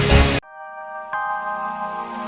cuma punya nama besar